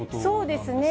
そうですね。